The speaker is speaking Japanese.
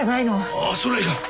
ああそりゃいかん。